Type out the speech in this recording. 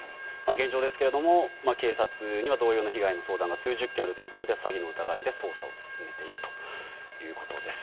現状ですが警察には同様の被害の相談が数十件あるということで詐欺の疑いで警察が捜査を進めているということです。